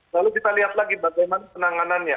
lalu kita lihat lagi bagaimana penanganannya